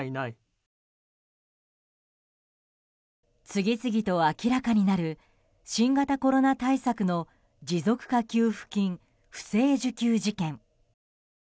次々と明らかになる新型コロナ対策の持続化給付金不正受給事件。